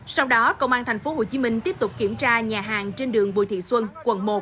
sau đó công an tp hcm tiếp tục kiểm tra nhà hàng trên đường bùi thị xuân quận một